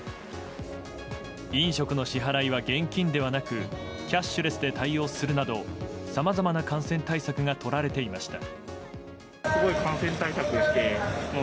飲食の支払いは現金ではなくキャッシュレスで対応するなどさまざまな感染対策がとられていました。